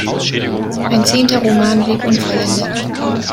Ein zehnter Roman blieb unvollendet.